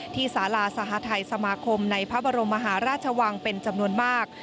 สาราสหทัยสมาคมในพระบรมมหาราชวังเป็นจำนวนมาก